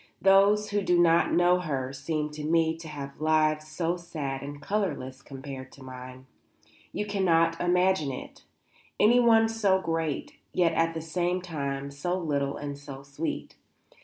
Those who do not know her seem to me to have lives so sad and colourless compared to mine. You cannot imagine it, anyone so great, yet at the same time so little and so sweet.